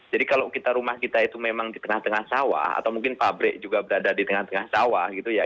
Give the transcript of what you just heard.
jadi kalau rumah kita itu memang di tengah tengah sawah atau mungkin pabrik juga berada di tengah tengah sawah gitu ya